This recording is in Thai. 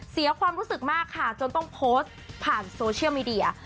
เสียความรู้สึกมากค่ะจนต้องโพสต์ผ่านโซเชียลมีเดีย